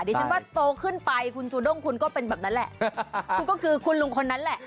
ดิฉันว่าโตขึ้นไปคุณจูด้งคุณก็เป็นแบบนั้นแหละคุณก็คือคุณลุงคนนั้นแหละ